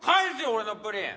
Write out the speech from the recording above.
俺のプリン！